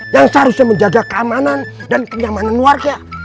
yang seharusnya menjaga keamanan dan kenyamanan warga